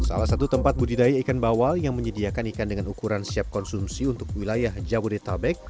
salah satu tempat budidaya ikan bawal yang menyediakan ikan dengan ukuran siap konsumsi untuk wilayah jabodetabek